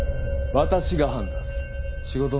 私が判断する。